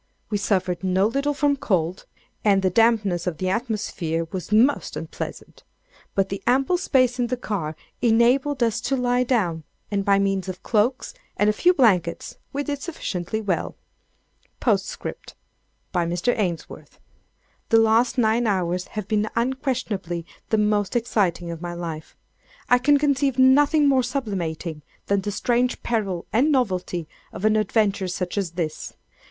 We suffered no little from cold, and the dampness of the atmosphere was most unpleasant; but the ample space in the car enabled us to lie down, and by means of cloaks and a few blankets, we did sufficiently well. "P.S. (by Mr. Ainsworth.) The last nine hours have been unquestionably the most exciting of my life. I can conceive nothing more sublimating than the strange peril and novelty of an adventure such as this.